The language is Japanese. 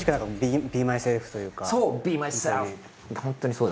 そう！